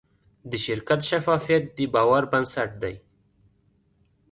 د شرکت شفافیت د باور بنسټ دی.